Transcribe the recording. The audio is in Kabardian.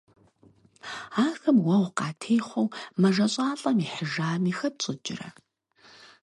Ахэм уэгъу къатехъуэу мэжэщӀалӀэм ихьыжами, хэтщӀыкӀрэ?